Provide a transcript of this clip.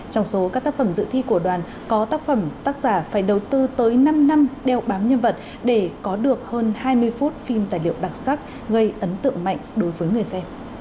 trong số các tác phẩm dự thi của đoàn có tác phẩm tác giả phải đầu tư tới năm năm đeo bám nhân vật để có được hơn hai mươi phút phim tài liệu đặc sắc gây ấn tượng mạnh đối với người xem